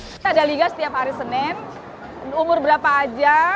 kita ada liga setiap hari senin umur berapa aja